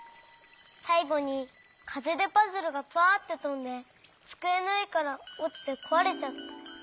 さいごにかぜでパズルがパァってとんでつくえのうえからおちてこわれちゃった。